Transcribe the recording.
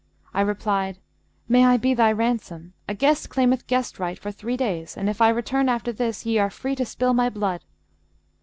I replied, 'May I be thy ransom! A guest claimeth guest right for three days and if I return after this, ye are free to spill my blood.'